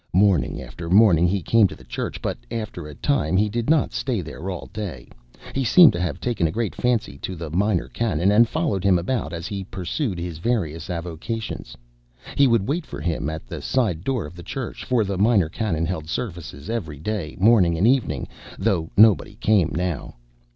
Morning after morning he came to the church, but after a time he did not stay there all day. He seemed to have taken a great fancy to the Minor Canon, and followed him about as he pursued his various avocations. He would wait for him at the side door of the church, for the Minor Canon held services every day, morning and evening, though nobody came now.